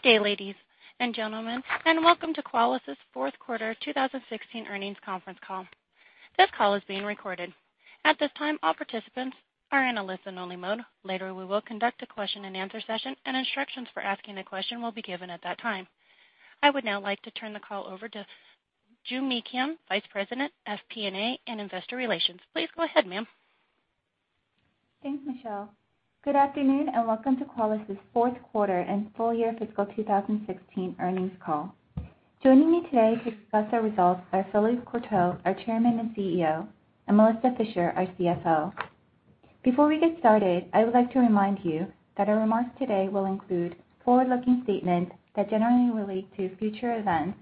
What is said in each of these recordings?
Good day, ladies and gentlemen, and welcome to Qualys's fourth quarter 2016 earnings conference call. This call is being recorded. At this time, all participants are in a listen only mode. Later, we will conduct a question and answer session, and instructions for asking a question will be given at that time. I would now like to turn the call over to Joo Mi Kim, Vice President, FP&A, and Investor Relations. Please go ahead, ma'am. Thanks, Michelle. Good afternoon, and welcome to Qualys's fourth quarter and full-year fiscal 2016 earnings call. Joining me today to discuss our results are Philippe Courtot, our Chairman and CEO, and Melissa Fisher, our CFO. Before we get started, I would like to remind you that our remarks today will include forward-looking statements that generally relate to future events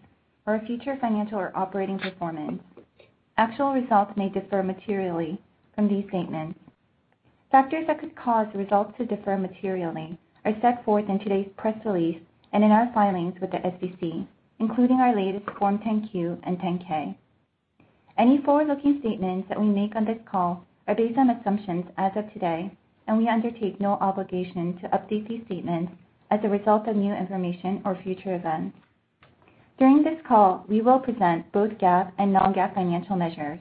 or future financial or operating performance. Actual results may differ materially from these statements. Factors that could cause results to differ materially are set forth in today's press release and in our filings with the SEC, including our latest Form 10-Q and 10-K. Any forward-looking statements that we make on this call are based on assumptions as of today, and we undertake no obligation to update these statements as a result of new information or future events. During this call, we will present both GAAP and non-GAAP financial measures.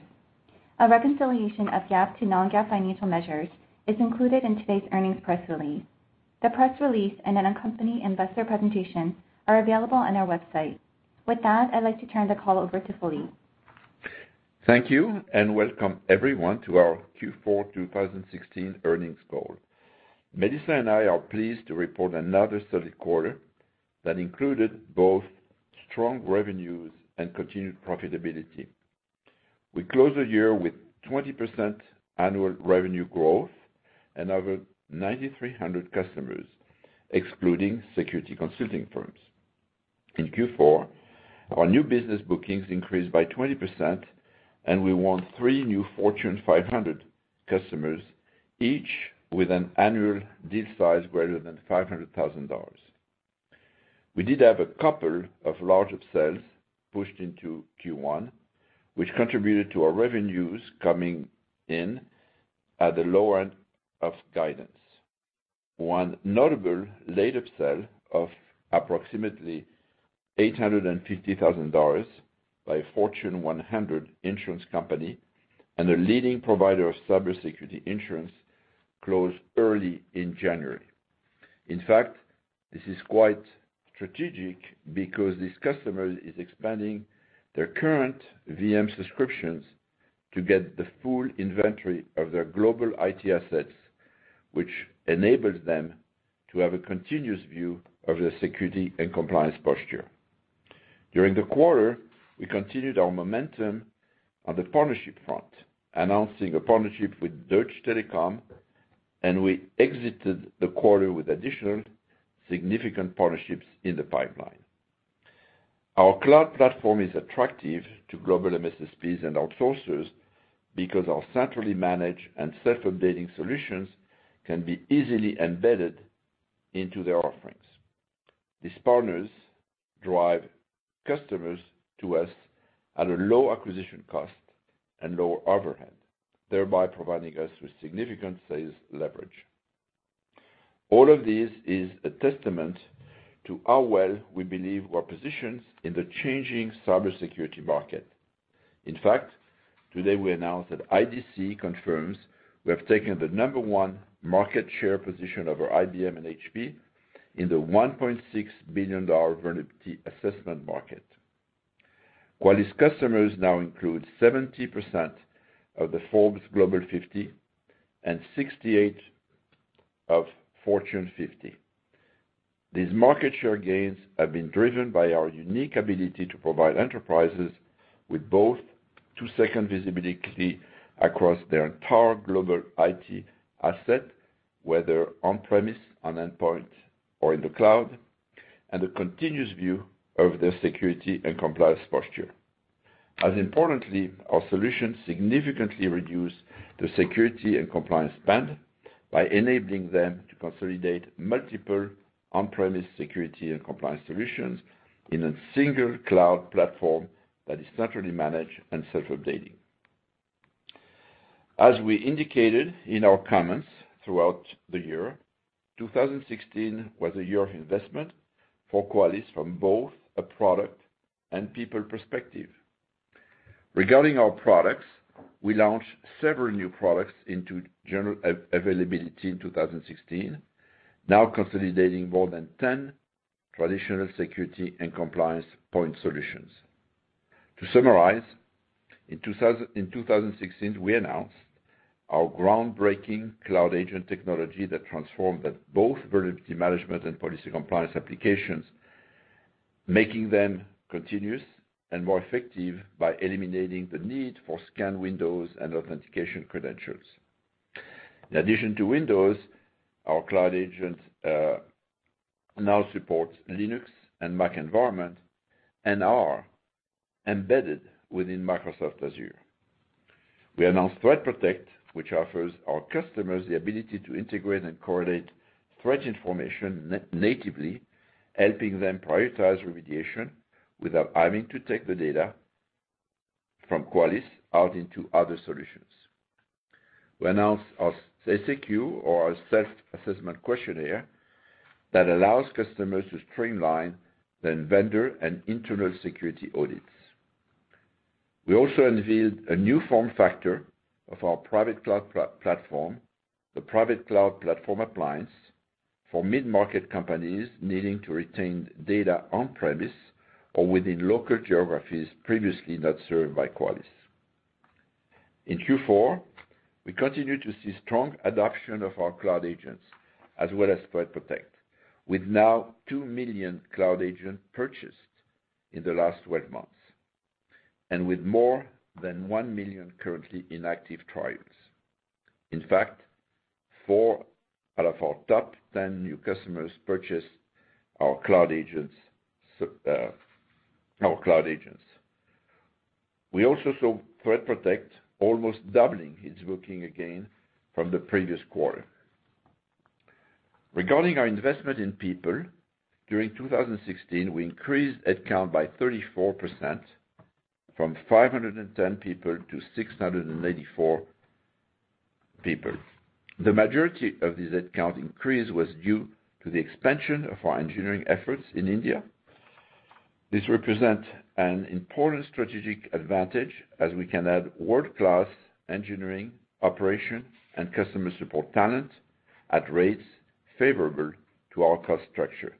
A reconciliation of GAAP to non-GAAP financial measures is included in today's earnings press release. The press release and an accompanying investor presentation are available on our website. With that, I'd like to turn the call over to Philippe. Thank you, and welcome everyone to our Q4 2016 earnings call. Melissa and I are pleased to report another solid quarter that included both strong revenues and continued profitability. We closed the year with 20% annual revenue growth and over 9,300 customers, excluding security consulting firms. In Q4, our new business bookings increased by 20%, and we won three new Fortune 500 customers, each with an annual deal size greater than $500,000. We did have a couple of larger sales pushed into Q1, which contributed to our revenues coming in at the lower end of guidance. One notable late upsell of approximately $850,000 by a Fortune 100 insurance company and a leading provider of cybersecurity insurance closed early in January. In fact, this is quite strategic because this customer is expanding their current VM subscriptions to get the full inventory of their global IT assets, which enables them to have a continuous view of their security and compliance posture. During the quarter, we continued our momentum on the partnership front, announcing a partnership with Deutsche Telekom, and we exited the quarter with additional significant partnerships in the pipeline. Our cloud platform is attractive to global MSPs and outsourcers because our centrally managed and self-updating solutions can be easily embedded into their offerings. These partners drive customers to us at a low acquisition cost and low overhead, thereby providing us with significant sales leverage. All of this is a testament to how well we believe we're positioned in the changing cybersecurity market. In fact, today we announced that IDC confirms we have taken the number one market share position over IBM and HP in the $1.6 billion vulnerability assessment market, while these customers now include 70% of the Forbes Global 50 and 68 of Fortune 50. These market share gains have been driven by our unique ability to provide enterprises with both two-second visibility key across their entire global IT asset, whether on-premise, on endpoint, or in the cloud, and a continuous view of their security and compliance posture. As importantly, our solutions significantly reduce the security and compliance spend by enabling them to consolidate multiple on-premise security and compliance solutions in a single cloud platform that is centrally managed and self-updating. As we indicated in our comments throughout the year, 2016 was a year of investment for Qualys from both a product and people perspective. Regarding our products, we launched several new products into general availability in 2016, now consolidating more than 10 traditional security and compliance point solutions. To summarize, in 2016, we announced our groundbreaking Cloud Agent technology that transformed both vulnerability management and policy compliance applications, making them continuous and more effective by eliminating the need for scan windows and authentication credentials. In addition to Windows, our Cloud Agent now supports Linux and Mac environment and are embedded within Microsoft Azure. We announced ThreatPROTECT, which offers our customers the ability to integrate and correlate threat information natively, helping them prioritize remediation without having to take the data from Qualys out into other solutions. We announced our SAQ, or our self-assessment questionnaire, that allows customers to streamline their vendor and internal security audits. We also unveiled a new form factor of our private cloud platform, the private cloud platform appliance, for mid-market companies needing to retain data on-premise or within local geographies previously not served by Qualys. In Q4, we continued to see strong adoption of our Cloud Agents as well as ThreatPROTECT, with now 2 million Cloud Agents purchased in the last 12 months, and with more than 1 million currently in active trials. In fact, four out of our top 10 new customers purchased our Cloud Agents. We also saw ThreatPROTECT almost doubling its booking again from the previous quarter. Regarding our investment in people, during 2016, we increased head count by 34%, from 510 people to 684 people. The majority of this head count increase was due to the expansion of our engineering efforts in India. This represents an important strategic advantage as we can add world-class engineering, operation, and customer support talent at rates favorable to our cost structure.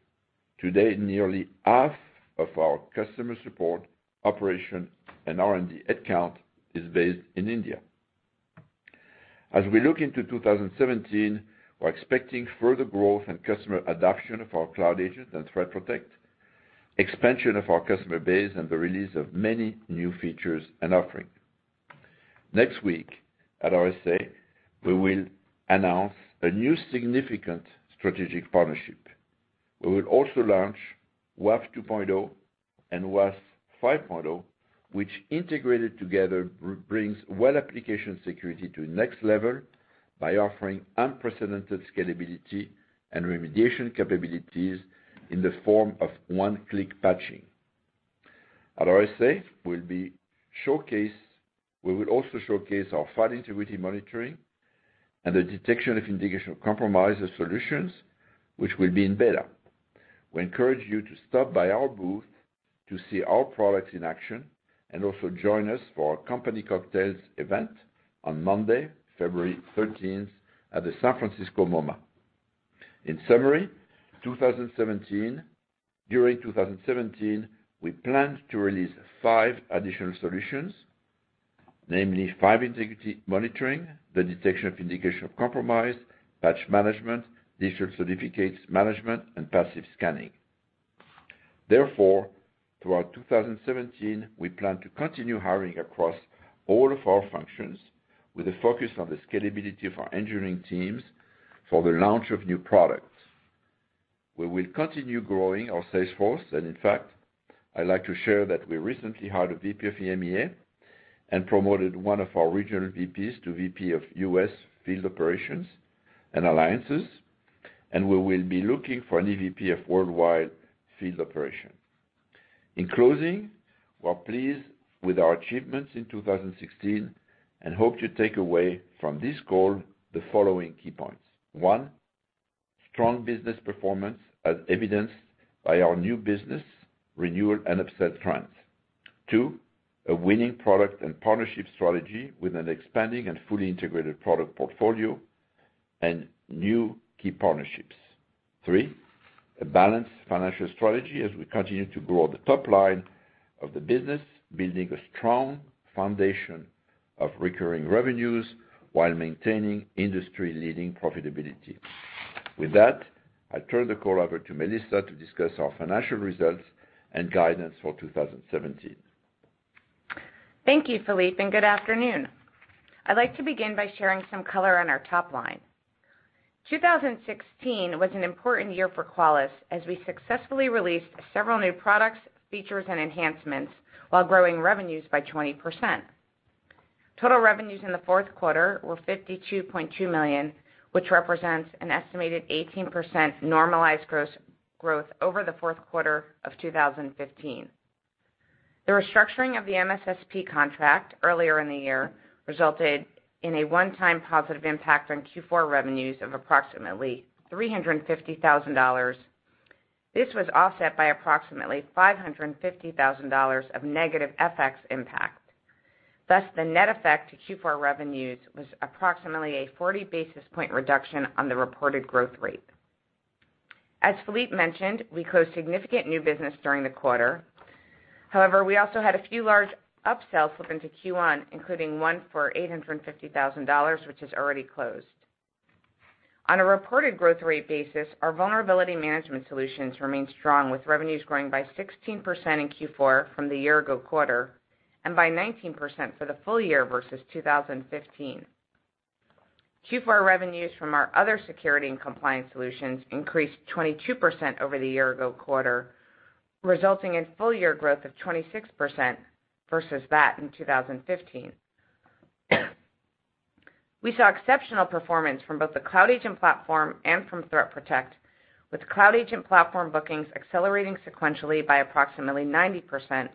Today, nearly half of our customer support operation and R&D headcount is based in India. As we look into 2017, we are expecting further growth and customer adoption of our Cloud Agents and ThreatPROTECT, expansion of our customer base, and the release of many new features and offerings. Next week at RSA, we will announce a new significant strategic partnership. We will also launch WAF 2.0 and WAS 5.0, which integrated together brings web application security to the next level by offering unprecedented scalability and remediation capabilities in the form of one-click patching. At RSA, we will also showcase our file integrity monitoring and the detection of indication of compromise solutions, which will be in beta. We encourage you to stop by our booth to see our products in action, also join us for our company cocktails event on Monday, February 13th at the San Francisco MoMA. In summary, during 2017, we plan to release five additional solutions, namely file integrity monitoring, the detection of indication of compromise, patch management, digital certificates management, and passive scanning. Throughout 2017, we plan to continue hiring across all of our functions with a focus on the scalability of our engineering teams for the launch of new products. We will continue growing our sales force, and in fact, I would like to share that we recently hired a VP of EMEA and promoted one of our regional VPs to VP of U.S. Field Operations and Alliances, and we will be looking for a new VP of Worldwide Field Operations. In closing, we are pleased with our achievements in 2016 and hope you take away from this call the following key points. One, strong business performance as evidenced by our new business renewal and upsell trends. Two, a winning product and partnership strategy with an expanding and fully integrated product portfolio and new key partnerships. Three, a balanced financial strategy as we continue to grow the top line of the business, building a strong foundation of recurring revenues while maintaining industry-leading profitability. With that, I turn the call over to Melissa to discuss our financial results and guidance for 2017. Thank you, Philippe, and good afternoon. I would like to begin by sharing some color on our top line. 2016 was an important year for Qualys as we successfully released several new products, features, and enhancements while growing revenues by 20%. Total revenues in the fourth quarter were $52.2 million, which represents an estimated 18% normalized growth over the fourth quarter of 2015. The restructuring of the MSSP contract earlier in the year resulted in a one-time positive impact on Q4 revenues of approximately $350,000. This was offset by approximately $550,000 of negative FX impact. The net effect to Q4 revenues was approximately a 40-basis point reduction on the reported growth rate. As Philippe mentioned, we closed significant new business during the quarter. We also had a few large upsells slip into Q1, including one for $850,000, which is already closed. On a reported growth rate basis, our vulnerability management solutions remain strong, with revenues growing by 16% in Q4 from the year-ago quarter and by 19% for the full year versus 2015. Q4 revenues from our other security and compliance solutions increased 22% over the year-ago quarter, resulting in full year growth of 26% versus that in 2015. We saw exceptional performance from both the Cloud Agent platform and from ThreatPROTECT, with Cloud Agent platform bookings accelerating sequentially by approximately 90%,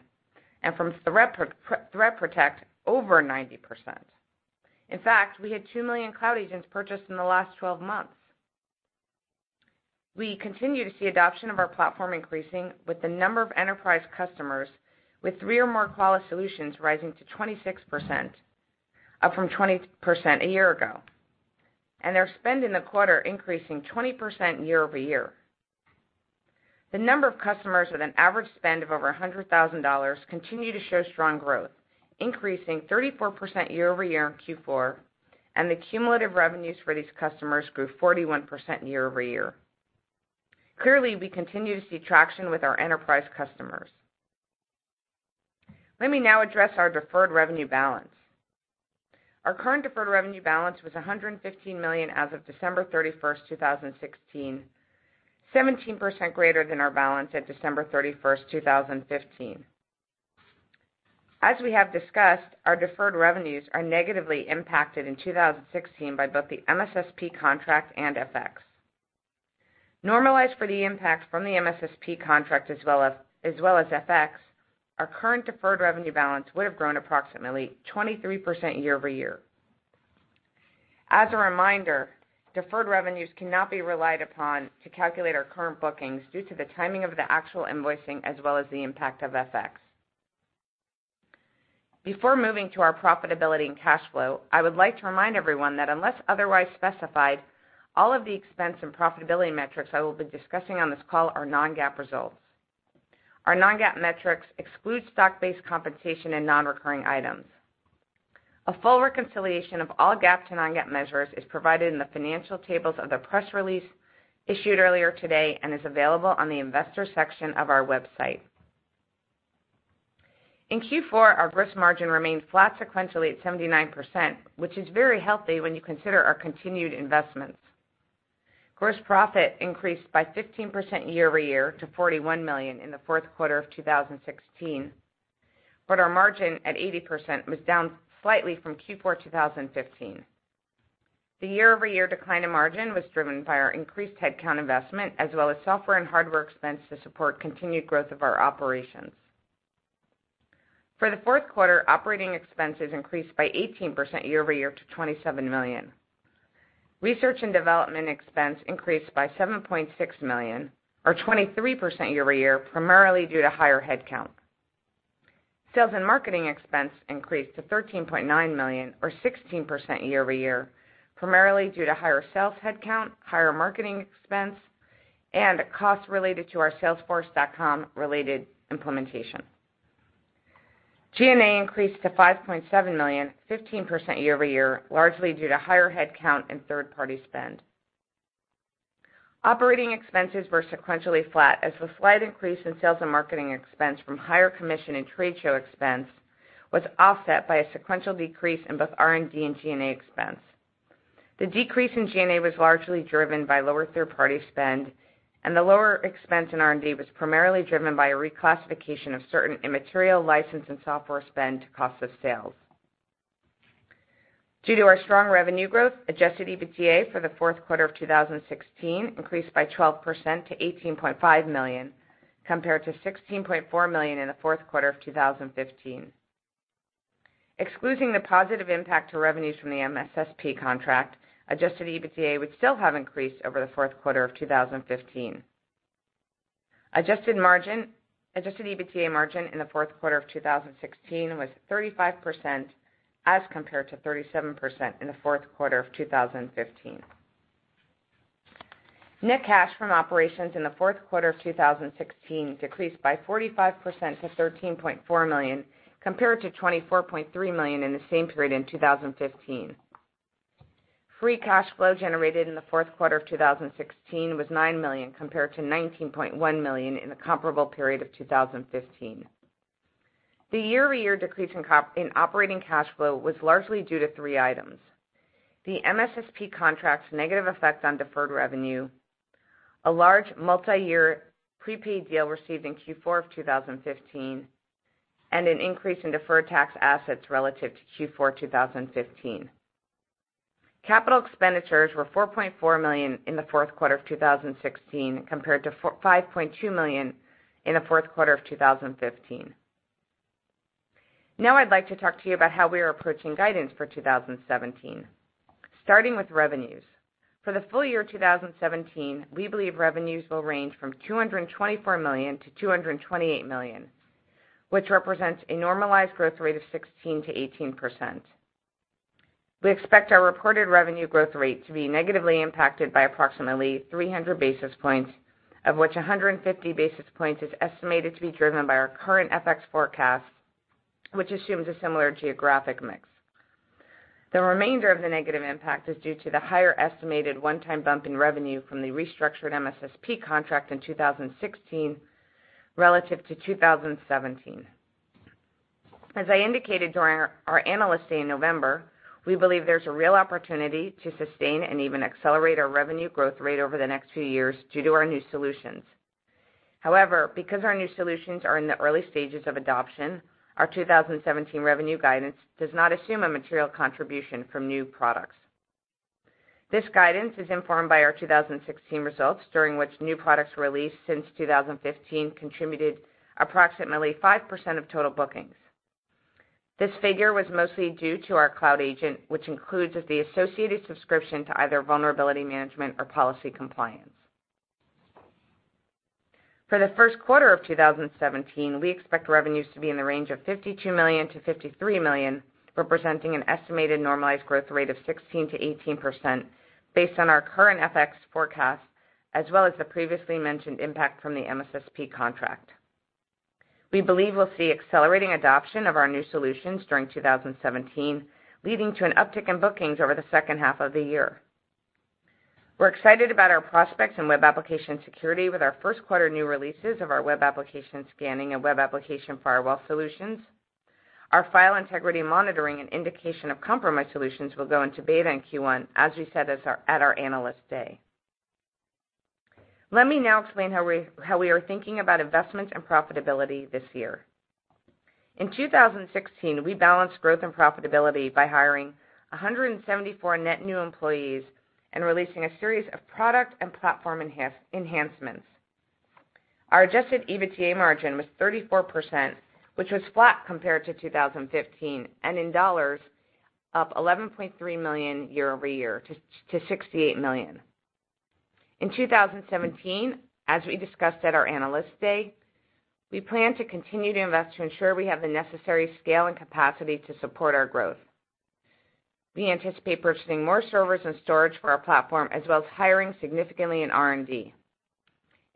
and from ThreatPROTECT over 90%. In fact, we had 2 million Cloud Agents purchased in the last 12 months. We continue to see adoption of our platform increasing, with the number of enterprise customers with three or more Qualys solutions rising to 26%, up from 20% a year ago, and their spend in the quarter increasing 20% year-over-year. The number of customers with an average spend of over $100,000 continue to show strong growth, increasing 34% year-over-year in Q4, and the cumulative revenues for these customers grew 41% year-over-year. Clearly, we continue to see traction with our enterprise customers. Let me now address our deferred revenue balance. Our current deferred revenue balance was $115 million as of December 31st, 2016, 17% greater than our balance at December 31st, 2015. As we have discussed, our deferred revenues are negatively impacted in 2016 by both the MSSP contract and FX. Normalized for the impact from the MSSP contract as well as FX, our current deferred revenue balance would have grown approximately 23% year-over-year. As a reminder, deferred revenues cannot be relied upon to calculate our current bookings due to the timing of the actual invoicing, as well as the impact of FX. Before moving to our profitability and cash flow, I would like to remind everyone that unless otherwise specified, all of the expense and profitability metrics I will be discussing on this call are non-GAAP results. Our non-GAAP metrics exclude stock-based compensation and non-recurring items. A full reconciliation of all GAAP to non-GAAP measures is provided in the financial tables of the press release issued earlier today and is available on the investor section of our website. In Q4, our gross margin remained flat sequentially at 79%, which is very healthy when you consider our continued investments. Gross profit increased by 15% year-over-year to $41 million in the fourth quarter of 2016, but our margin at 80% was down slightly from Q4 2015. The year-over-year decline in margin was driven by our increased headcount investment as well as software and hardware expense to support continued growth of our operations. For the fourth quarter, operating expenses increased by 18% year-over-year to $27 million. Research and development expense increased by $7.6 million or 23% year-over-year, primarily due to higher headcount. Sales and marketing expense increased to $13.9 million or 16% year-over-year, primarily due to higher sales headcount, higher marketing expense, and costs related to our salesforce.com-related implementation. G&A increased to $5.7 million, 15% year-over-year, largely due to higher headcount and third-party spend. Operating expenses were sequentially flat as the slight increase in sales and marketing expense from higher commission and trade show expense was offset by a sequential decrease in both R&D and G&A expense. The decrease in G&A was largely driven by lower third-party spend, and the lower expense in R&D was primarily driven by a reclassification of certain immaterial license and software spend to cost of sales. Due to our strong revenue growth, adjusted EBITDA for the fourth quarter of 2016 increased by 12% to $18.5 million, compared to $16.4 million in the fourth quarter of 2015. Excluding the positive impact to revenues from the MSSP contract, adjusted EBITDA would still have increased over the fourth quarter of 2015. Adjusted EBITDA margin in the fourth quarter of 2016 was 35%, as compared to 37% in the fourth quarter of 2015. Net cash from operations in the fourth quarter of 2016 decreased by 45% to $13.4 million, compared to $24.3 million in the same period in 2015. Free cash flow generated in the fourth quarter of 2016 was $9 million, compared to $19.1 million in the comparable period of 2015. The year-over-year decrease in operating cash flow was largely due to three items: the MSSP contract's negative effect on deferred revenue, a large multiyear prepaid deal received in Q4 of 2015, and an increase in deferred tax assets relative to Q4 2015. Capital expenditures were $4.4 million in the fourth quarter of 2016, compared to $5.2 million in the fourth quarter of 2015. I'd like to talk to you about how we are approaching guidance for 2017, starting with revenues. For the full year 2017, we believe revenues will range from $224 million to $228 million, which represents a normalized growth rate of 16%-18%. We expect our reported revenue growth rate to be negatively impacted by approximately 300 basis points, of which 150 basis points is estimated to be driven by our current FX forecast, which assumes a similar geographic mix. The remainder of the negative impact is due to the higher estimated one-time bump in revenue from the restructured MSSP contract in 2016 relative to 2017. As I indicated during our Analyst Day in November, we believe there's a real opportunity to sustain and even accelerate our revenue growth rate over the next few years due to our new solutions. Because our new solutions are in the early stages of adoption, our 2017 revenue guidance does not assume a material contribution from new products. This guidance is informed by our 2016 results, during which new products released since 2015 contributed approximately 5% of total bookings. This figure was mostly due to our Cloud Agent, which includes the associated subscription to either vulnerability management or policy compliance. For the first quarter of 2017, we expect revenues to be in the range of $52 million to $53 million, representing an estimated normalized growth rate of 16%-18% based on our current FX forecast, as well as the previously mentioned impact from the MSSP contract. We believe we'll see accelerating adoption of our new solutions during 2017, leading to an uptick in bookings over the second half of the year. We're excited about our prospects in web application security with our first quarter new releases of our Web Application Scanning and Web Application Firewall solutions. Our file integrity monitoring and indication of compromised solutions will go into beta in Q1, as we said at our Analyst Day. Let me now explain how we are thinking about investments and profitability this year. In 2016, we balanced growth and profitability by hiring 174 net new employees and releasing a series of product and platform enhancements. Our adjusted EBITDA margin was 34%, which was flat compared to 2015, and in dollars, up $11.3 million year-over-year to $68 million. In 2017, as we discussed at our Analyst Day, we plan to continue to invest to ensure we have the necessary scale and capacity to support our growth. We anticipate purchasing more servers and storage for our platform, as well as hiring significantly in R&D.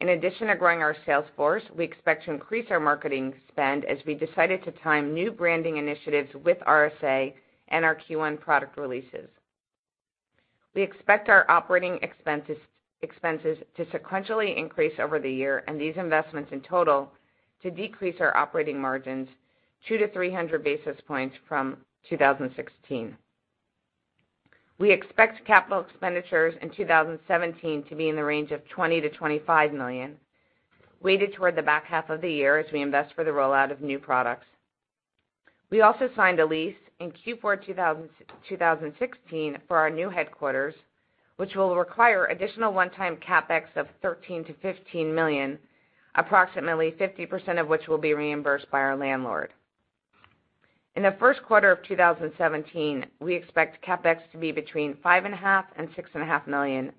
In addition to growing our sales force, we expect to increase our marketing spend as we decided to time new branding initiatives with RSA and our Q1 product releases. We expect our operating expenses to sequentially increase over the year, and these investments in total to decrease our operating margins 2 to 300 basis points from 2016. We expect capital expenditures in 2017 to be in the range of $20 million to $25 million, weighted toward the back half of the year as we invest for the rollout of new products. We also signed a lease in Q4 2016 for our new headquarters, which will require additional one-time CapEx of $13 million to $15 million, approximately 50% of which will be reimbursed by our landlord. In the first quarter of 2017, we expect CapEx to be between $5.5 million and $6.5 million,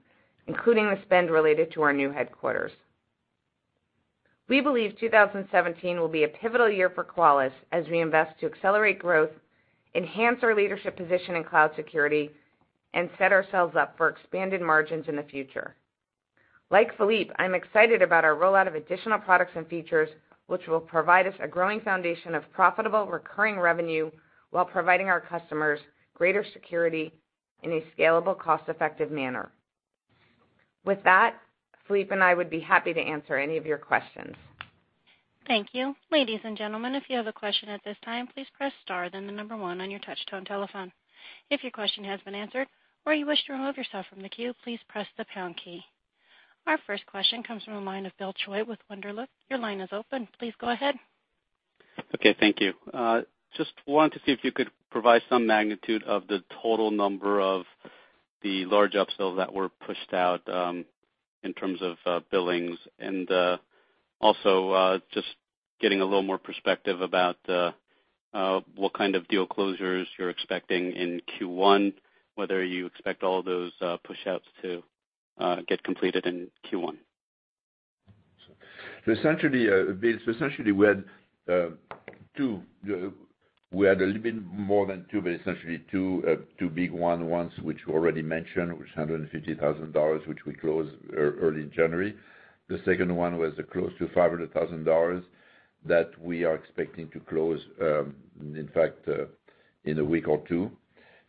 including the spend related to our new headquarters. We believe 2017 will be a pivotal year for Qualys as we invest to accelerate growth, enhance our leadership position in cloud security, and set ourselves up for expanded margins in the future. Like Philippe, I am excited about our rollout of additional products and features, which will provide us a growing foundation of profitable recurring revenue while providing our customers greater security in a scalable, cost-effective manner. With that, Philippe and I would be happy to answer any of your questions. Thank you. Ladies and gentlemen, if you have a question at this time, please press star then the number one on your touch-tone telephone. If your question has been answered or you wish to remove yourself from the queue, please press the pound key. Our first question comes from the line of Bill Choi with Wunderlich. Your line is open. Please go ahead. Okay, thank you. Just wanted to see if you could provide some magnitude of the total number of the large upsells that were pushed out, in terms of billings. Also, just getting a little more perspective about what kind of deal closures you're expecting in Q1, whether you expect all those pushouts to get completed in Q1. Essentially, Bill, we had a little bit more than two, but essentially two big ones, which you already mentioned, which is $150,000, which we closed early January. The second one was close to $500,000, that we are expecting to close, in fact, in a week or two.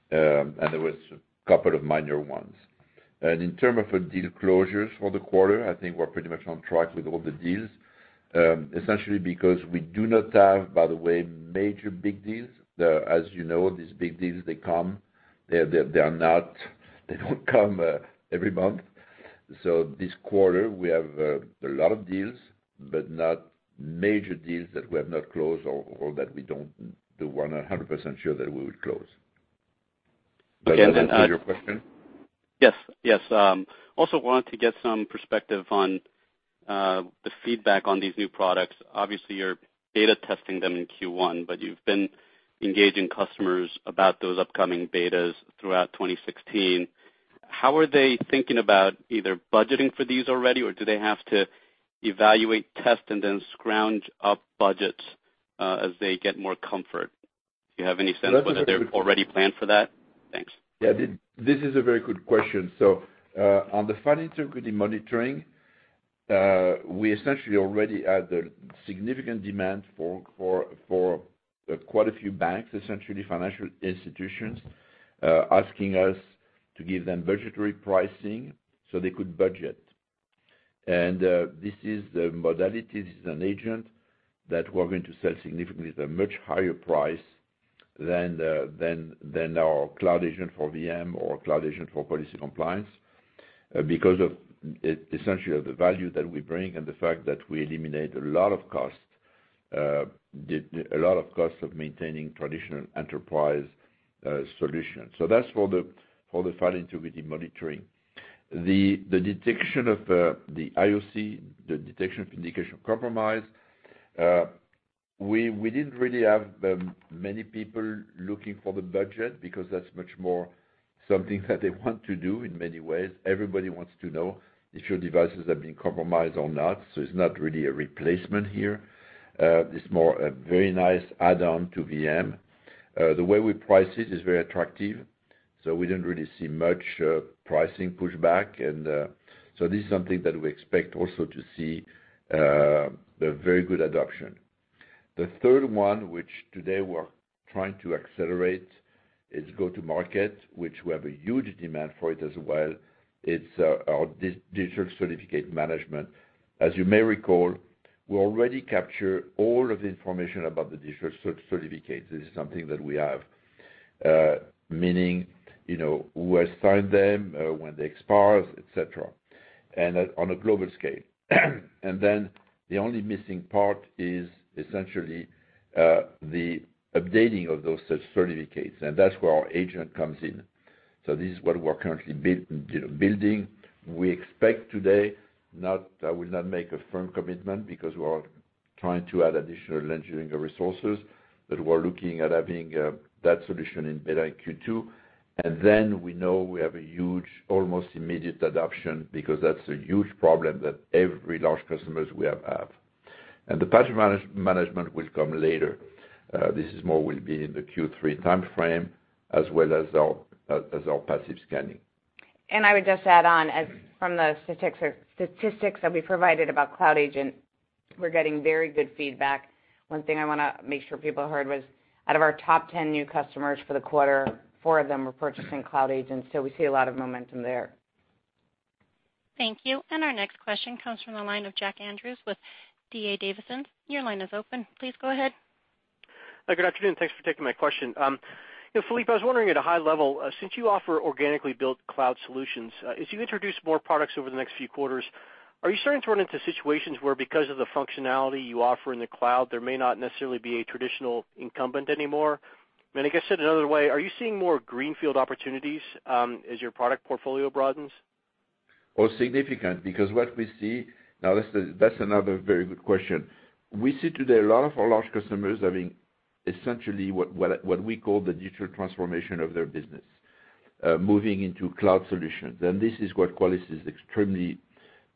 There was a couple of minor ones. In terms of the deal closures for the quarter, I think we're pretty much on track with all the deals, essentially because we do not have, by the way, major big deals. As you know, these big deals, they don't come every month. This quarter, we have a lot of deals, but not major deals that we have not closed or that we don't do 100% sure that we will close. Does that answer your question? Yes. Also wanted to get some perspective on the feedback on these new products. Obviously, you're beta testing them in Q1, but you've been engaging customers about those upcoming betas throughout 2016. How are they thinking about either budgeting for these already, or do they have to evaluate, test, and then scrounge up budgets as they get more comfort? Do you have any sense of whether they've already planned for that? Thanks. This is a very good question. On the file integrity monitoring, we essentially already had a significant demand for quite a few banks, essentially financial institutions, asking us to give them budgetary pricing so they could budget. This is the modality, this is an agent that we're going to sell significantly at a much higher price than our Cloud Agent for VM or Cloud Agent for policy compliance because of essentially the value that we bring and the fact that we eliminate a lot of costs of maintaining traditional enterprise solutions. That's for the file integrity monitoring. The detection of the IOC, the detection of indication of compromise, we didn't really have many people looking for the budget because that's much more something that they want to do in many ways. Everybody wants to know if your devices have been compromised or not. It's not really a replacement here. It's more a very nice add-on to VM. The way we price it is very attractive, we didn't really see much pricing pushback. This is something that we expect also to see a very good adoption. The third one, which today we're trying to accelerate, is go to market, which we have a huge demand for it as well. It's our digital certificate management. As you may recall, we already capture all of the information about the digital certificates. This is something that we have, meaning who has signed them, when they expire, et cetera, and on a global scale. The only missing part is essentially the updating of those such certificates, and that's where our agent comes in. This is what we're currently building. We expect today, I will not make a firm commitment because we are trying to add additional engineering resources, but we're looking at having that solution in beta Q2. We know we have a huge, almost immediate adoption because that's a huge problem that every large customers we have. The patch management will come later. This more will be in the Q3 timeframe as well as our passive scanning. I would just add on, from the statistics that we provided about Cloud Agent, we're getting very good feedback. One thing I want to make sure people heard was out of our top 10 new customers for the quarter, four of them were purchasing Cloud Agents. We see a lot of momentum there. Thank you. Our next question comes from the line of Jack Andrews with D.A. Davidson. Your line is open. Please go ahead. Good afternoon. Thanks for taking my question. Philippe, I was wondering at a high level, since you offer organically built cloud solutions, as you introduce more products over the next few quarters, are you starting to run into situations where because of the functionality you offer in the cloud, there may not necessarily be a traditional incumbent anymore? I guess said another way, are you seeing more greenfield opportunities as your product portfolio broadens? Oh, significant because now that's another very good question. We see today a lot of our large customers having essentially what we call the digital transformation of their business, moving into cloud solutions. This is what Qualys is extremely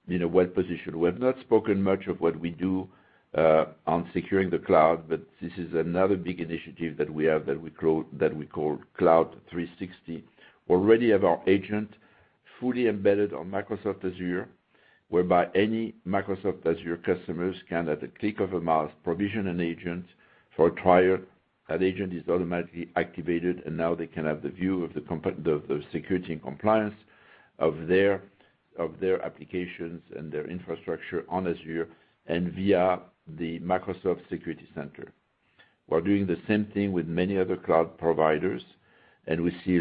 well-positioned. We have not spoken much of what we do on securing the cloud, this is another big initiative that we have that we call Cloud 360. Already have our agent fully embedded on Microsoft Azure, whereby any Microsoft Azure customers can, at the click of a mouse, provision an agent for a trial. That agent is automatically activated, and now they can have the view of the security and compliance of their applications and their infrastructure on Azure and via the Microsoft Security Center. We're doing the same thing with many other cloud providers. We see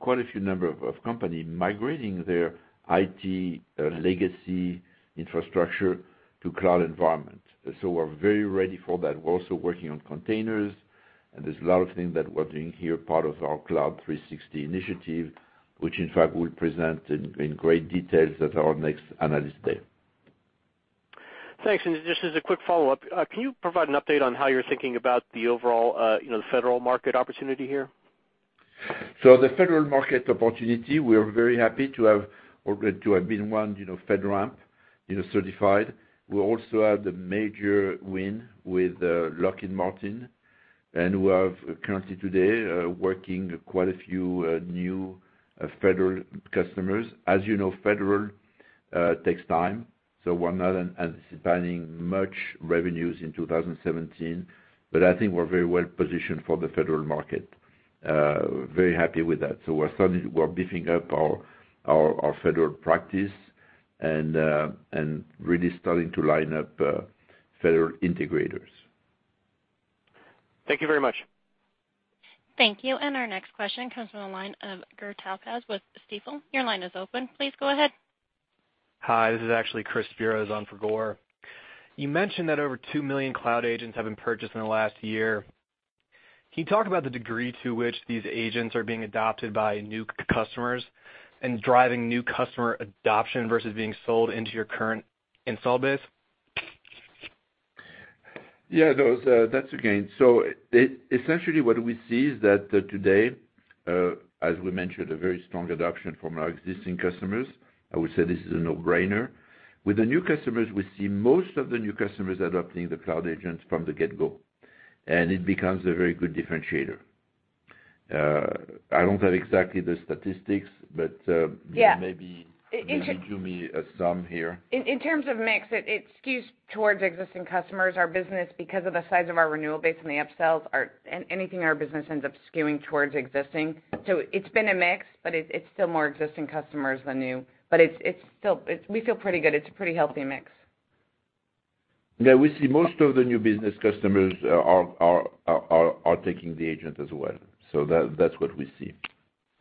quite a few number of companies migrating their IT legacy infrastructure to cloud environment. We're very ready for that. We're also working on containers, there's a lot of things that we're doing here, part of our Cloud 360 initiative, which in fact we'll present in great details at our next analyst day. Thanks. Just as a quick follow-up, can you provide an update on how you're thinking about the overall federal market opportunity here? The federal market opportunity, we are very happy to have been FedRAMP certified. We also have the major win with Lockheed Martin, and we have currently today, working quite a few new federal customers. As you know, federal takes time, we're not anticipating much revenues in 2017. I think we're very well-positioned for the federal market. Very happy with that. We're beefing up our federal practice and really starting to line up federal integrators. Thank you very much. Thank you. Our next question comes from the line of Gur Talpaz with Stifel. Your line is open. Please go ahead. Hi, this is actually Chris Spiros on for Gur. You mentioned that over 2 million Cloud Agents have been purchased in the last year. Can you talk about the degree to which these agents are being adopted by new customers and driving new customer adoption versus being sold into your current install base? That's a gain. Essentially what we see is that today, as we mentioned, a very strong adoption from our existing customers. I would say this is a no-brainer. With the new customers, we see most of the new customers adopting the Cloud Agent from the get-go, and it becomes a very good differentiator. I don't have exactly the statistics. Yeah Maybe Julie has some here. In terms of mix, it skews towards existing customers. Our business, because of the size of our renewal base and the upsells, anything in our business ends up skewing towards existing. It's been a mix, but it's still more existing customers than new. We feel pretty good. It's a pretty healthy mix. We see most of the new business customers are taking the agent as well. That's what we see.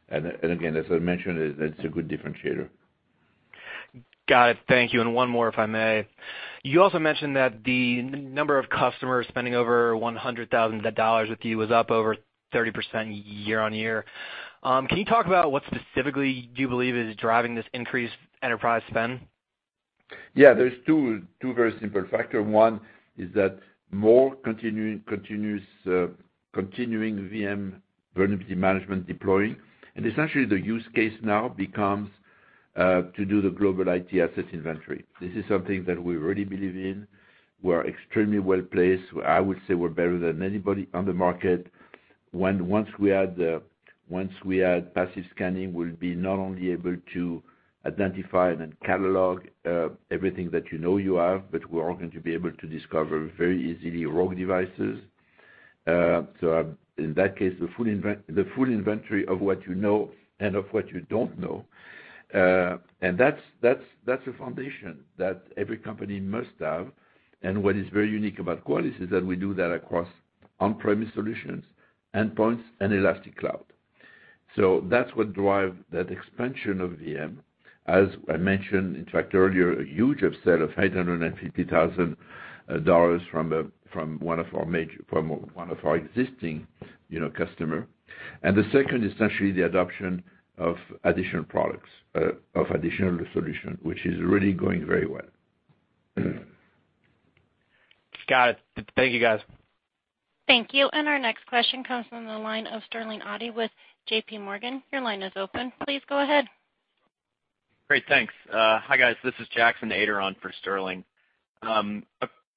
Again, as I mentioned, that's a good differentiator. Got it. Thank you. One more, if I may. You also mentioned that the number of customers spending over $100,000 with you was up over 30% year-over-year. Can you talk about what specifically you believe is driving this increased enterprise spend? Yeah, there's two very simple factors. One is that more continuing VM, Vulnerability Management, deploying. Essentially the use case now becomes to do the global IT asset inventory. This is something that we really believe in. We're extremely well-placed. I would say we're better than anybody on the market. Once we add passive scanning, we'll be not only able to identify and then catalog everything that you know you have, but we are going to be able to discover very easily rogue devices. In that case, the full inventory of what you know and of what you don't know. That's a foundation that every company must have. What is very unique about Qualys is that we do that across on-premise solutions, endpoints, and elastic cloud. That's what drives that expansion of VM. As I mentioned, in fact, earlier, a huge upsell of $850,000 from one of our existing customers. The second is essentially the adoption of additional products, of additional solutions, which is really going very well. Got it. Thank you, guys. Our next question comes from the line of Sterling Auty with JPMorgan. Your line is open. Please go ahead. Great, thanks. Hi, guys. This is Jackson Ader on for Sterling. A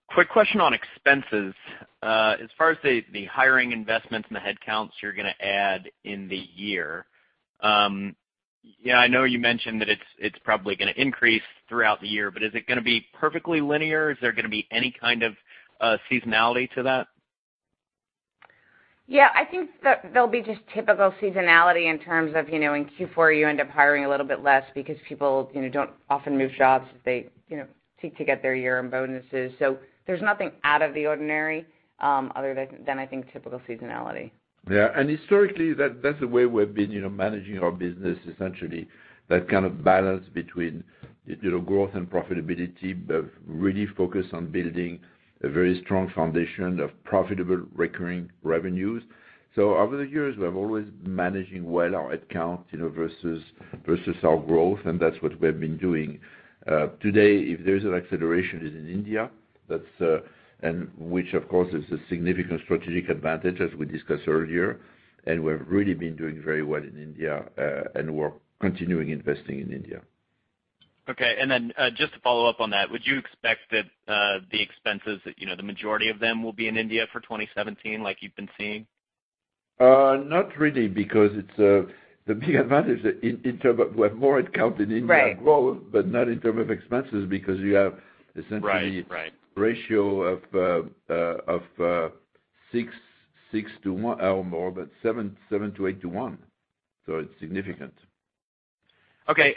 quick question on expenses. As far as the hiring investments and the headcounts you're gonna add in the year, I know you mentioned that it's probably gonna increase throughout the year, but is it gonna be perfectly linear? Is there gonna be any kind of seasonality to that? I think that there'll be just typical seasonality in terms of, in Q4, you end up hiring a little bit less because people don't often move jobs. They seek to get their year-end bonuses. There's nothing out of the ordinary, other than I think typical seasonality. Historically, that's the way we've been managing our business, essentially. That kind of balance between growth and profitability, really focused on building a very strong foundation of profitable recurring revenues. Over the years, we have always managing well our headcount versus our growth, and that's what we have been doing. Today, if there's an acceleration, it is in India, which of course is a significant strategic advantage as we discussed earlier, we've really been doing very well in India, we're continuing investing in India. Okay, just to follow up on that, would you expect that the expenses, the majority of them will be in India for 2017, like you've been seeing? Not really, because the big advantage in terms of we have more headcount in India growth- Right Not in terms of expenses because you have essentially- Right ratio of 6 to 1, or more, but 7 to 8 to 1. It's significant. Okay,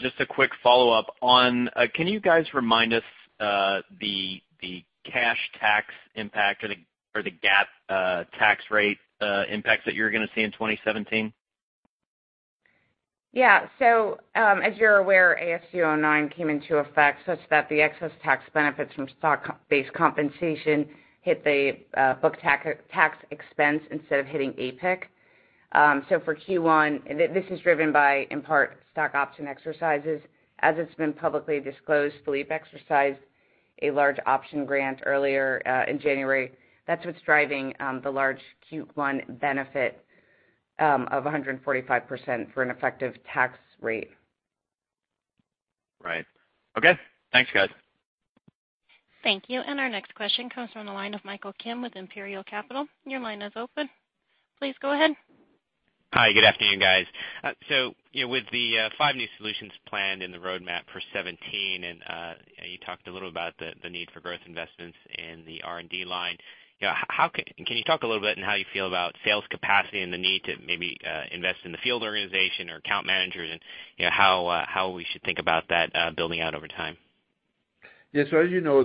just a quick follow-up on, can you guys remind us the cash tax impact or the GAAP tax rate impacts that you're going to see in 2017? Yeah. As you're aware, ASU 2016-09 came into effect such that the excess tax benefits from stock-based compensation hit the book tax expense instead of hitting APIC. For Q1, this is driven by, in part, stock option exercises. As it's been publicly disclosed, Philippe exercised a large option grant earlier in January. That's what's driving the large Q1 benefit of 145% for an effective tax rate. Right. Okay. Thanks, guys. Thank you. Our next question comes from the line of Michael Kim with Imperial Capital. Your line is open. Please go ahead. Hi, good afternoon, guys. With the five new solutions planned in the roadmap for 2017 and you talked a little about the need for growth investments in the R&D line. Can you talk a little bit on how you feel about sales capacity and the need to maybe invest in the field organization or account managers and how we should think about that building out over time? Yes. As you know,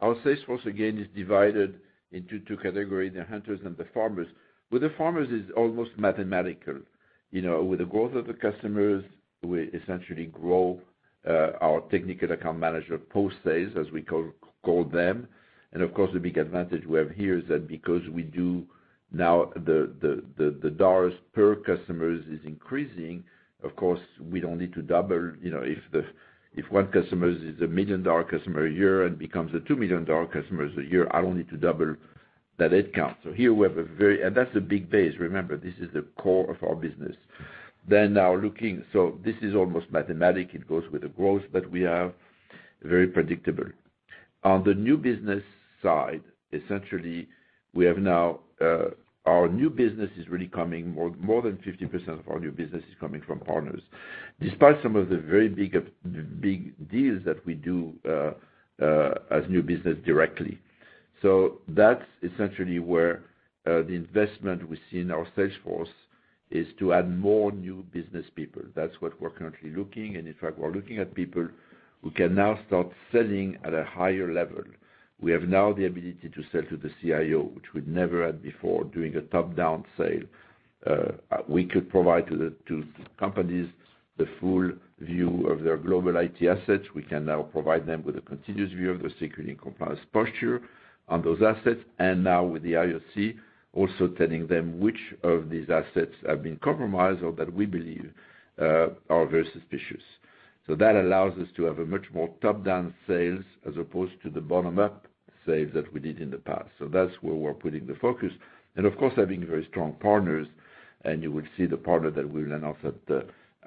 our sales force, again, is divided into two categories, the hunters and the farmers. With the farmers is almost mathematical. With the growth of the customers, we essentially grow our technical account manager post-sales, as we call them. Of course, the big advantage we have here is that because we do now the dollars per customers is increasing, of course, we don't need to double. If one customer is a million-dollar customer a year and becomes a $2 million customers a year, I don't need to double that headcount. That's a big base. Remember, this is the core of our business. Now looking, this is almost mathematic. It goes with the growth that we have, very predictable. On the new business side, essentially, more than 50% of our new business is coming from partners, despite some of the very big deals that we do as new business directly. That's essentially where the investment we see in our sales force is to add more new business people. That's what we're currently looking, and in fact, we're looking at people who can now start selling at a higher level. We have now the ability to sell to the CIO, which we'd never had before, doing a top-down sale. We could provide to companies the full view of their global IT assets. We can now provide them with a continuous view of their security and compliance posture on those assets, and now with the IOC, also telling them which of these assets have been compromised or that we believe are very suspicious. That allows us to have a much more top-down sales as opposed to the bottom-up sales that we did in the past. That's where we're putting the focus. Of course, having very strong partners, and you will see the partner that we'll announce at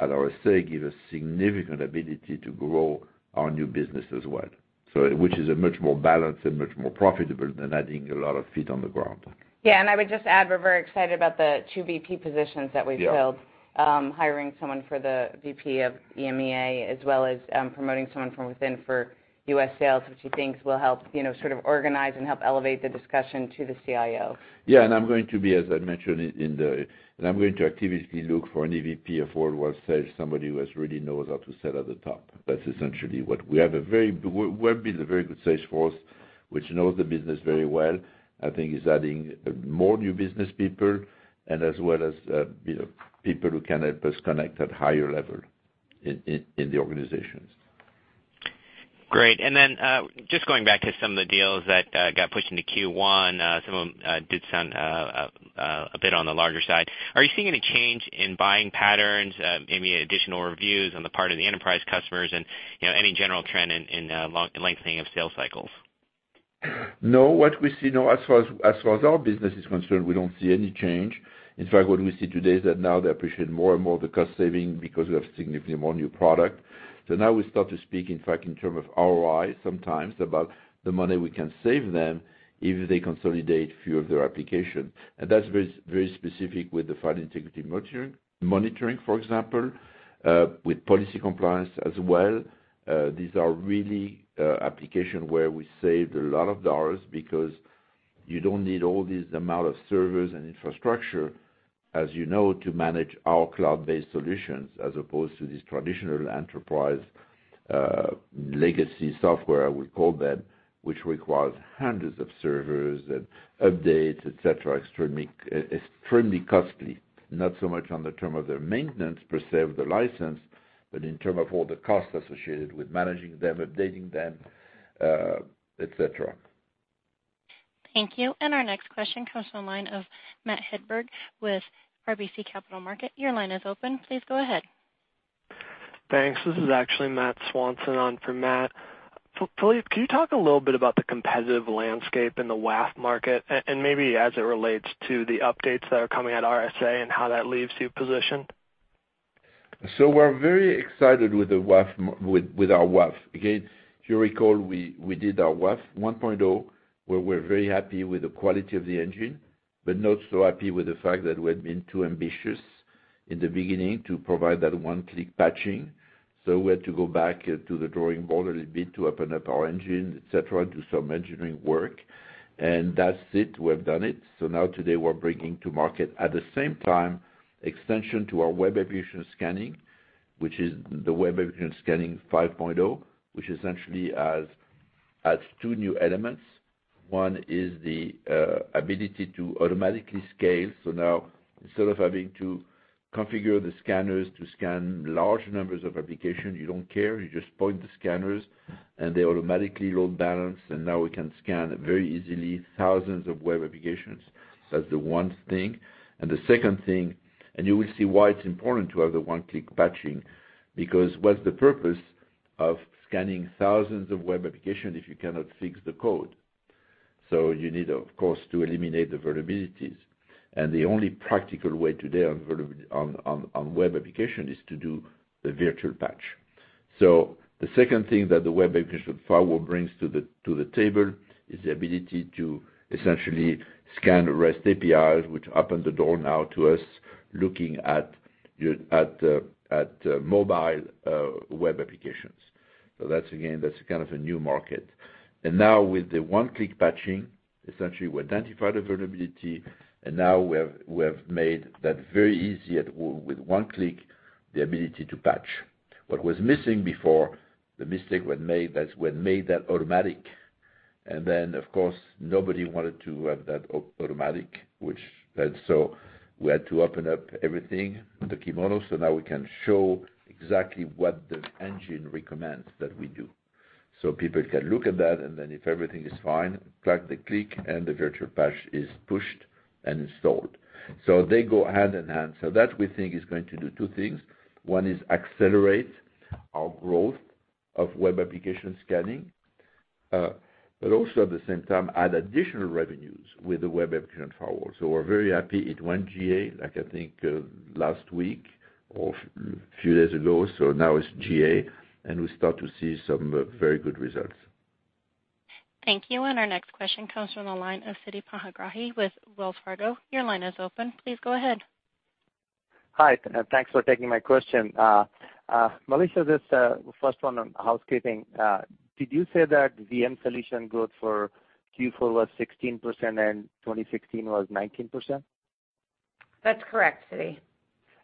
RSA give us significant ability to grow our new business as well. Which is a much more balanced and much more profitable than adding a lot of feet on the ground. Yeah, and I would just add, we're very excited about the 2 VP positions that we've filled. Yeah. Hiring someone for the VP of EMEA, as well as promoting someone from within for U.S. sales, which we think will help sort of organize and help elevate the discussion to the CIO. Yeah, I'm going to be, as I mentioned, I'm going to actively look for an EVP of worldwide sales, somebody who really knows how to sell at the top. We have a very good sales force which knows the business very well. I think it's adding more new business people as well as people who can help us connect at higher level in the organizations. Great. Just going back to some of the deals that got pushed into Q1, some of them did sound a bit on the larger side. Are you seeing any change in buying patterns, maybe additional reviews on the part of the enterprise customers and any general trend in lengthening of sales cycles? No, what we see now, as far as our business is concerned, we don't see any change. In fact, what we see today is that now they appreciate more and more the cost saving because we have significantly more new product. Now we start to speak, in fact, in terms of ROI sometimes about the money we can save them if they consolidate few of their applications. That's very specific with the file integrity monitoring, for example, with policy compliance as well. These are really applications where we saved a lot of dollars because you don't need all these amount of servers and infrastructure as you know, to manage our cloud-based solutions as opposed to these traditional enterprise legacy software, I would call them, which requires hundreds of servers and updates, et cetera. Extremely costly. Not so much on the terms of their maintenance per se of the license, but in terms of all the costs associated with managing them, updating them, et cetera. Thank you. Our next question comes from the line of Matthew Hedberg with RBC Capital Markets. Your line is open. Please go ahead. Thanks. This is actually Matt Swanson on for Matt. Philippe, can you talk a little bit about the competitive landscape in the WAF market and maybe as it relates to the updates that are coming at RSA and how that leaves you positioned? We're very excited with our WAF. Again, if you recall, we did our WAF 1.0, where we're very happy with the quality of the engine, not so happy with the fact that we had been too ambitious in the beginning to provide that one-click patching. We had to go back to the drawing board a little bit to open up our engine, et cetera, do some engineering work. That's it. We have done it. Now today we're bringing to market, at the same time, extension to our Web Application Scanning, which is the Web Application Scanning 5.0, which essentially adds two new elements. One is the ability to automatically scale. Now instead of having to configure the scanners to scan large numbers of application, you don't care. You just point the scanners and they automatically load balance, and now we can scan very easily thousands of web applications. That's the one thing. The second thing, and you will see why it's important to have the one-click patching, because what's the purpose of scanning thousands of web application if you cannot fix the code? You need, of course, to eliminate the vulnerabilities. The only practical way today on web application is to do the virtual patch. The second thing that the Web Application Firewall brings to the table is the ability to essentially scan REST APIs, which open the door now to us looking at mobile web applications. That's again, that's kind of a new market. Now with the one-click patching, essentially we identified a vulnerability, and now we have made that very easy with one click, the ability to patch. What was missing before, the mistake was made that automatic, then of course, nobody wanted to have that automatic. We had to open up everything, the kimono, now we can show exactly what the engine recommends that we do. People can look at that, then if everything is fine, click the click and the virtual patch is pushed and installed. They go hand in hand. That we think is going to do two things. One is accelerate our growth of Web Application Scanning, also at the same time, add additional revenues with the Web Application Firewall. We're very happy it went GA, I think, last week or few days ago. Now it's GA, and we start to see some very good results. Thank you. Our next question comes from the line of Siddhi Panigrahi with Wells Fargo. Your line is open. Please go ahead. Hi, thanks for taking my question. Melissa, just first one on housekeeping. Did you say that VM solution growth for Q4 was 16% and 2016 was 19%? That's correct,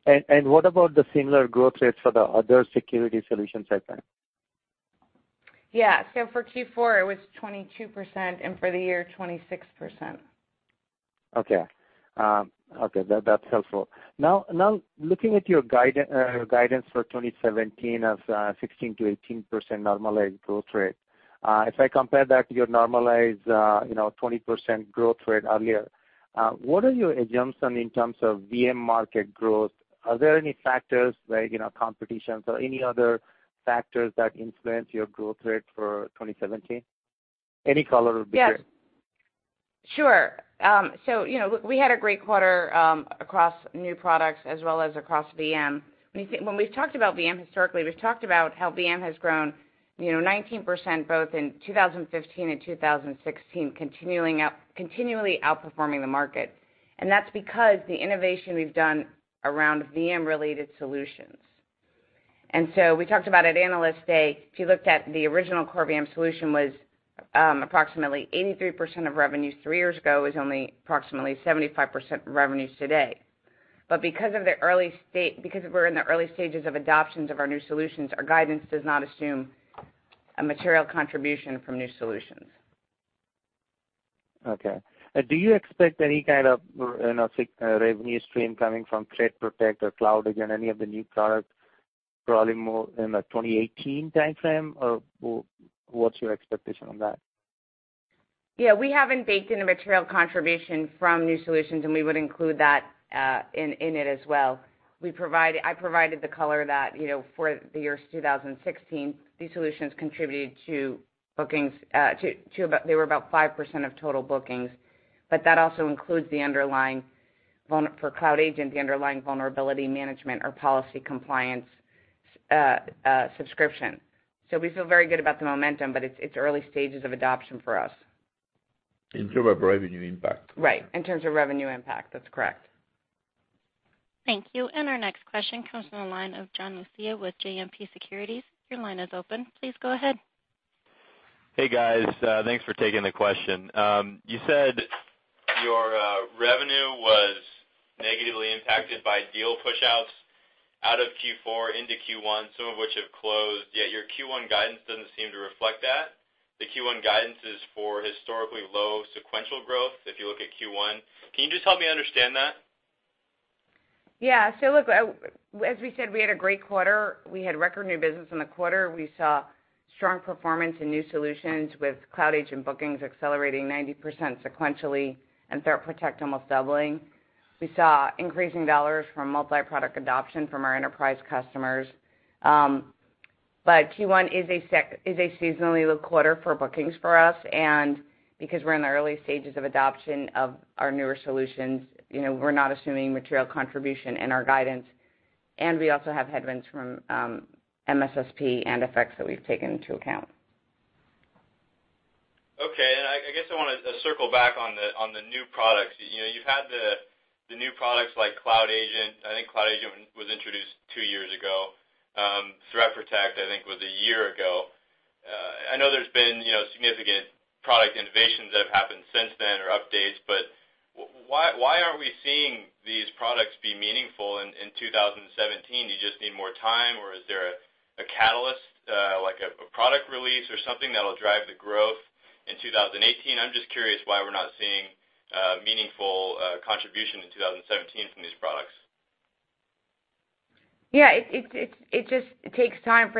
Siddhi. What about the similar growth rates for the other security solutions segment? Yeah. For Q4 it was 22%, and for the year, 26%. That's helpful. Looking at your guidance for 2017 of 16%-18% normalized growth rate. If I compare that to your normalized 20% growth rate earlier, what are your assumptions in terms of VM market growth? Are there any factors like, competition or any other factors that influence your growth rate for 2017? Any color would be great. Yes. Sure. We had a great quarter across new products as well as across VM. When we've talked about VM historically, we've talked about how VM has grown 19%, both in 2015 and 2016, continually outperforming the market. That's because the innovation we've done around VM-related solutions. We talked about at Analyst Day, if you looked at the original Core VM solution was approximately 83% of revenues three years ago, is only approximately 75% of revenues today. Because we're in the early stages of adoptions of our new solutions, our guidance does not assume a material contribution from new solutions. Okay. Do you expect any kind of, revenue stream coming from ThreatPROTECT or Cloud Agent, any of the new products, probably more in the 2018 timeframe, or what's your expectation on that? Yeah. We haven't baked in a material contribution from new solutions, and we would include that in it as well. I provided the color that for the years 2016, these solutions contributed to bookings. They were about 5% of total bookings, but that also includes for Cloud Agent, the underlying vulnerability management or policy compliance subscription. We feel very good about the momentum, but it's early stages of adoption for us. In terms of revenue impact. Right. In terms of revenue impact, that's correct. Thank you. Our next question comes from the line of John Lucia with JMP Securities. Your line is open. Please go ahead. Hey, guys. Thanks for taking the question. You said your revenue was negatively impacted by deal pushouts out of Q4 into Q1, some of which have closed, yet your Q1 guidance doesn't seem to reflect that. The Q1 guidance is for historically low sequential growth if you look at Q1. Can you just help me understand that? look, as we said, we had a great quarter. We had record new business in the quarter. We saw strong performance in new solutions with Cloud Agent bookings accelerating 90% sequentially and ThreatPROTECT almost doubling. We saw increasing dollars from multi-product adoption from our enterprise customers. Q1 is a seasonally low quarter for bookings for us, and because we're in the early stages of adoption of our newer solutions, we're not assuming material contribution in our guidance, and we also have headwinds from MSSP and FX that we've taken into account. Okay. I guess I want to circle back on the new products. You've had the new products like Cloud Agent. I think Cloud Agent was introduced two years ago. ThreatPROTECT, I think, was a year ago. I know there's been significant product innovations that have happened since then or updates, but why aren't we seeing these products be meaningful in 2017? Do you just need more time, or is there a catalyst, like a product release or something that'll drive the growth in 2018? I'm just curious why we're not seeing meaningful contribution in 2017 from these products. It just takes time.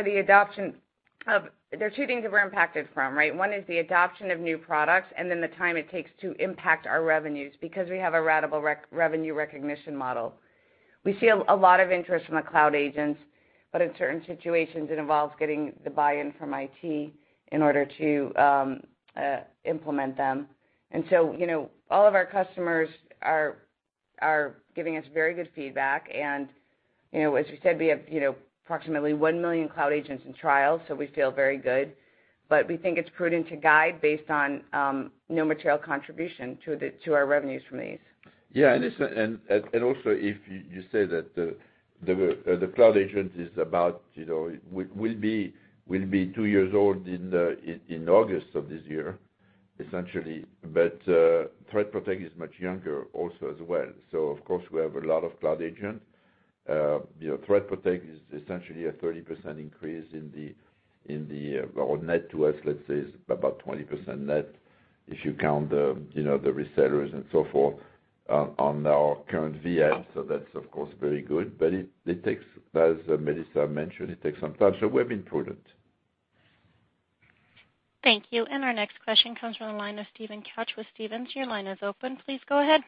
There are two things that we're impacted from, right? One is the adoption of new products, and then the time it takes to impact our revenues because we have a ratable revenue recognition model. We see a lot of interest from the Cloud Agents, but in certain situations, it involves getting the buy-in from IT in order to implement them. All of our customers are giving us very good feedback, and as we said, we have approximately 1 million Cloud Agents in trial, we feel very good. We think it's prudent to guide based on no material contribution to our revenues from these. also, if you say that the Cloud Agent will be two years old in August of this year, essentially. ThreatPROTECT is much younger also as well. Of course, we have a lot of Cloud Agent. ThreatPROTECT is essentially a 30% increase in the net to us, let's say, is about 20% net if you count the resellers and so forth on our current VM. That's, of course, very good, but as Melissa mentioned, it takes some time. We're being prudent. Thank you. Our next question comes from the line of Steven Couch with Stephens. Your line is open. Please go ahead.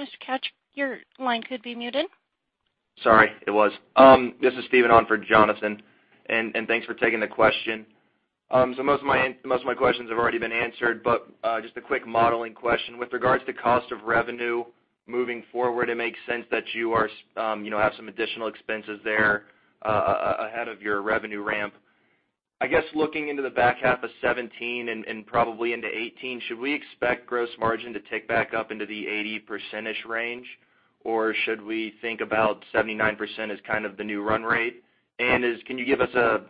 Mr. Couch, your line could be muted. Sorry, it was. This is Steven on for Jonathan, thanks for taking the question. Most of my questions have already been answered, but just a quick modeling question. With regards to cost of revenue moving forward, it makes sense that you have some additional expenses there ahead of your revenue ramp. I guess, looking into the back half of 2017 and probably into 2018, should we expect gross margin to tick back up into the 80%-ish range, or should we think about 79% as kind of the new run rate? Can you give us a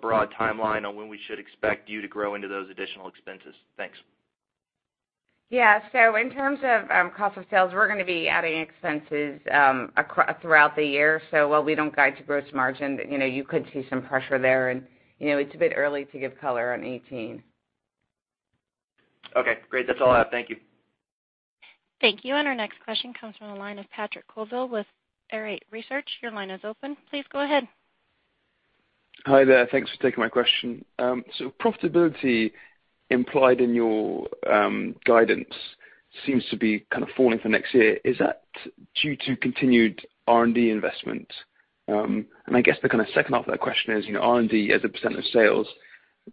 broad timeline on when we should expect you to grow into those additional expenses? Thanks. Yeah. In terms of cost of sales, we're going to be adding expenses throughout the year. While we don't guide to gross margin, you could see some pressure there, and it's a bit early to give color on 2018. Okay, great. That's all I have. Thank you. Thank you. Our next question comes from the line of Patrick Colville with Arete Research. Your line is open. Please go ahead. Hi there. Thanks for taking my question. Profitability implied in your guidance seems to be kind of falling for next year. Is that due to continued R&D investment? I guess the kind of second off that question is, R&D as a percent of sales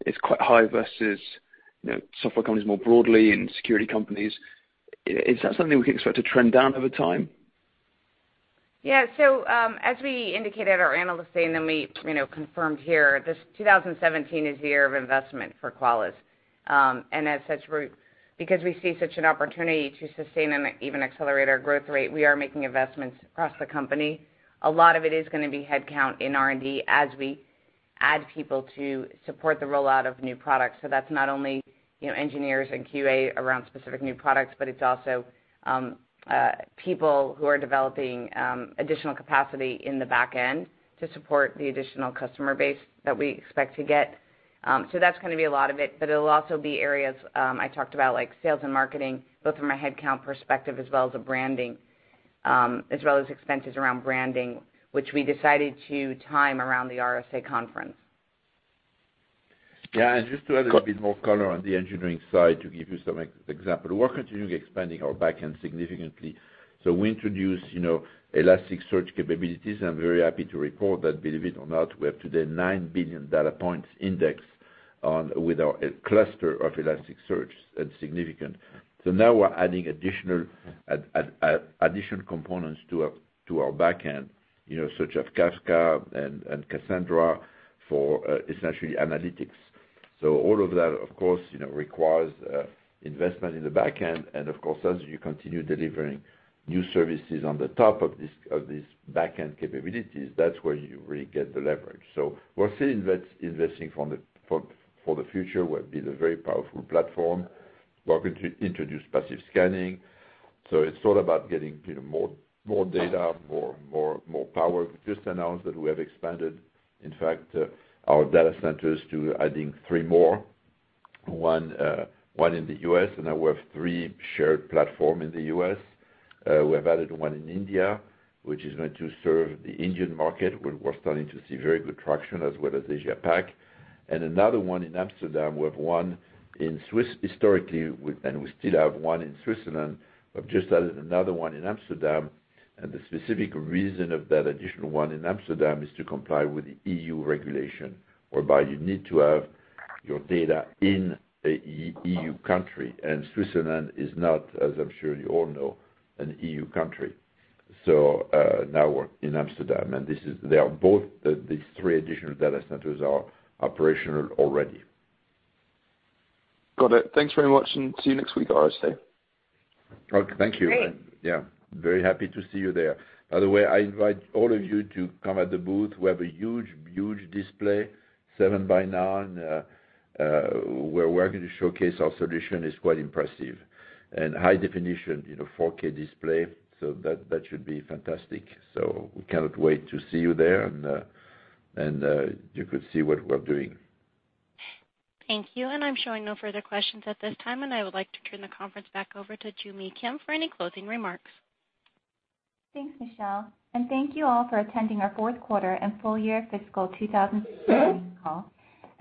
is quite high versus software companies more broadly and security companies. Is that something we can expect to trend down over time? As we indicated at our analyst day, we confirmed here, this 2017 is the year of investment for Qualys. As such, because we see such an opportunity to sustain and even accelerate our growth rate, we are making investments across the company. A lot of it is going to be headcount in R&D as we add people to support the rollout of new products. That's not only engineers and QA around specific new products, but it's also people who are developing additional capacity in the back end to support the additional customer base that we expect to get. That's going to be a lot of it, but it'll also be areas I talked about, like sales and marketing, both from a headcount perspective as well as a branding, as well as expenses around branding, which we decided to time around the RSA Conference. Just to add a bit more color on the engineering side, to give you some example, we're continuing expanding our back end significantly. We introduced Elasticsearch capabilities, and I'm very happy to report that, believe it or not, we have today 9 billion data points indexed with our cluster of Elasticsearch. That's significant. Now we're adding additional components to our back end, such as Kafka and Cassandra for essentially analytics. All of that, of course, requires investment in the back end. Of course, as you continue delivering new services on the top of these back-end capabilities, that's where you really get the leverage. We're still investing for the future, what will be the very powerful platform. We are going to introduce passive scanning. It's all about getting more data, more power. We just announced that we have expanded, in fact, our data centers to adding three more, one in the U.S., now we have three shared platform in the U.S. We have added one in India, which is going to serve the Indian market, where we're starting to see very good traction, as well as Asia Pac. Another one in Amsterdam. We have one in Swiss historically, we still have one in Switzerland. We've just added another one in Amsterdam, the specific reason of that additional one in Amsterdam is to comply with the EU regulation, whereby you need to have your data in a EU country. Switzerland is not, as I'm sure you all know, an EU country. Now we're in Amsterdam, these three additional data centers are operational already. Got it. Thanks very much, see you next week at RSA. Thank you. Great. Yeah. Very happy to see you there. By the way, I invite all of you to come at the booth. We have a huge display, seven by nine. We're working to showcase our solution. It's quite impressive. High definition, 4K display. That should be fantastic. We cannot wait to see you there, you could see what we're doing. Thank you. I'm showing no further questions at this time. I would like to turn the conference back over to Joo Mi Kim for any closing remarks. Thanks, Michelle. Thank you all for attending our fourth quarter and full year fiscal 2016 call.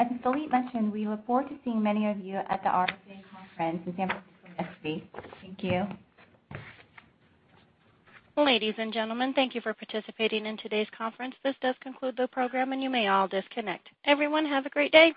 As Philippe mentioned, we look forward to seeing many of you at the RSA Conference in San Francisco next week. Thank you. Ladies and gentlemen, thank you for participating in today's conference. This does conclude the program. You may all disconnect. Everyone, have a great day.